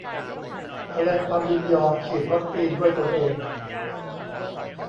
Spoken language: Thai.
แสดงความยินยอมฉีดวัคซีนด้วยตนเอง